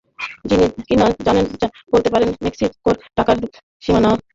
যিনি কিনা বলতে পারেন, মেক্সিকোর টাকায় যুক্তরাষ্ট্র-মেক্সিকো সীমান্তে দেয়াল তোলা হবে।